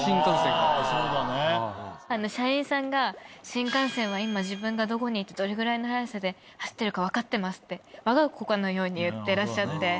社員さんが新幹線は今自分がどこにいてどれぐらいの速さで走ってるか分かってますってわが子かのように言ってらっしゃって。